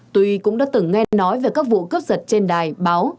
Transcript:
tuy cũng đã từng nghe nói về các vụ cướp giật trên đài báo